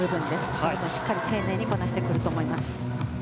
そこもしっかり丁寧にこなしてくると思います。